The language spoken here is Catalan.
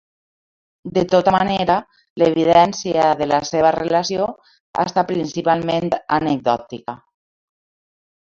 De tota manera, l'evidència de la seva relació ha estat principalment anecdòtica.